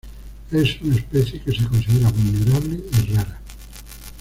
Es una especie que se considera vulnerable y rara.